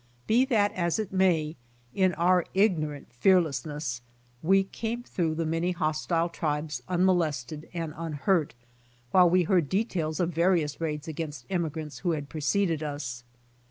Be that as it may, in our ignorant fearlessness we came through the many hostile tribes unmolested and unhurt, while we heard details of various raids against emigrants who had preceded us.